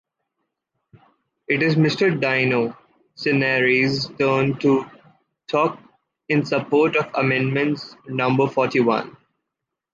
It is Mr Dino Cinieri’s turn to talk in support of amendment number forty-one.